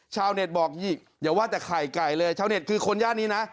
ชาวเน็ตบอกอย่าว่าแต่ไข่ไก่เลยชาวเน็ตคือคนย่านนี้นะ